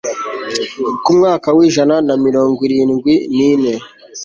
mu mwaka w'ijana na mirongo irindwi n'ine